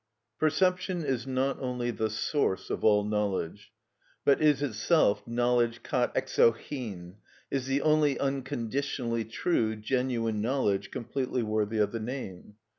Perception is not only the source of all knowledge, but is itself knowledge κατ᾽ εξοχην, is the only unconditionally true, genuine knowledge completely worthy of the name.